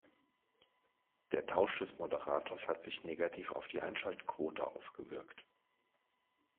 Der Tausch des Moderators hat sich negativ auf die Einschaltquote ausgewirkt.